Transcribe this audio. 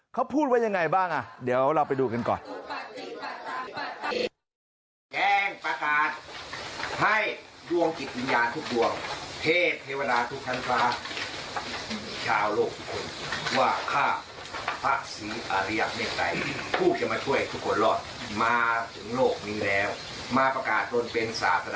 เขาพูดว่ายังไงบ้างเดี๋ยวเราไปดูกันก่อน